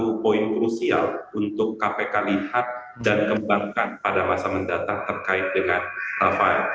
itu poin krusial untuk kpk lihat dan kembangkan pada masa mendatang terkait dengan rafael